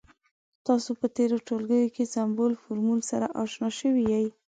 تاسې په تیرو ټولګیو کې له سمبول، فورمول سره اشنا شوي يئ.